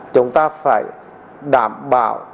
chúng ta phải đảm bảo